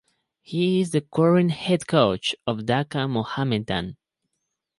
He is the current Head Coach of Dhaka Mohammedan.